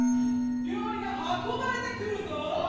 料理が運ばれてくるぞさあ